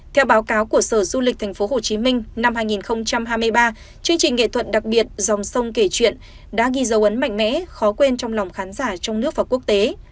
theo báo cáo của sở du lịch tp hcm năm hai nghìn hai mươi ba chương trình nghệ thuật đặc biệt dòng sông kể chuyện đã ghi dấu ấn mạnh mẽ khó quên trong lòng khán giả trong nước và quốc tế